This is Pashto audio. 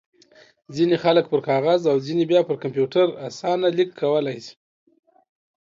ځينې خلک پر کاغذ او ځينې بيا پر کمپيوټر اسانه ليک کولای شي.